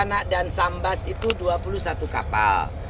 anak dan sambas itu dua puluh satu kapal